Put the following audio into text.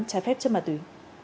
trái phép trên ma túy